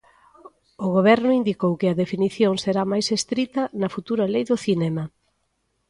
O Goberno indicou que a definición será máis estrita na futura Lei do Cinema.